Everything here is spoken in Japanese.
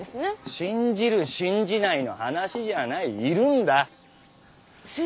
信じる信じないの話じゃあないいるんだッ。